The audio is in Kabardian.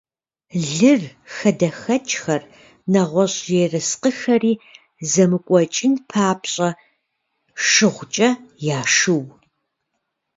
Лыр, хадэхэкӀхэр, нэгъуэщӀ ерыскъыхэри зэмыкӀуэкӀын папщӀэ, шыгъукӀэ яшыу.